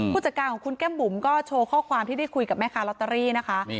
ผู้จัดการของคุณแก้มบุ๋มก็โชว์ข้อความที่ได้คุยกับแม่ค้าลอตเตอรี่นะคะ